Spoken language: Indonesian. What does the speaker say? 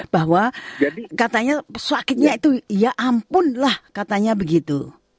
bahwa katanya sakitnya itu ya ampun lah katanya begitu